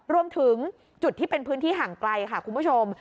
รวมถึงจุดที่เป็นพื้นที่ห่างไกลค่ะคุณผู้ชม